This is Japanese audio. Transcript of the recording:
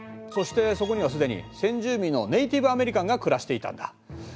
そしてそこには既に先住民のネイティブアメリカンが暮らしていたんだ。